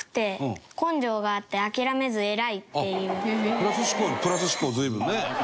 プラス思考プラス思考随分ね。